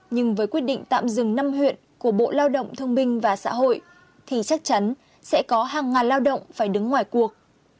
nhưng với quyết định tạm dừng năm huyện của bộ lao động thương minh và xã hội thì chắc chắn sẽ có hàng ngàn lao động phải đứng ngoài cuộc